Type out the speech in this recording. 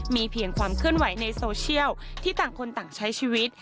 มีเพียงความเคลื่อนไหวในโซเชียลที่ต่างคนต่างใช้ชีวิต